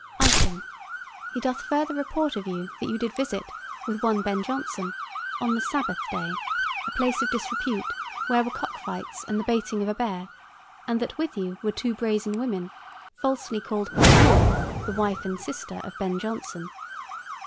Item. He doth further report of you that you did visit, with one Ben Jonson, on the Sabbath day, a place of disrepute, where were cock fights and the baiting of a bear, and that with you were two brazen women, falsely called by you the wife and sister of Ben Jonson.